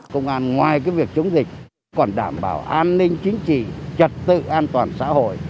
công an ngoài việc chống dịch còn đảm bảo an ninh chính trị trật tự an toàn xã hội